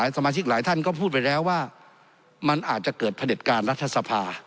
สมาชิกหลายท่านก็พูดไปแล้วว่ามันอาจจะเกิดเด็จการรัฐสภา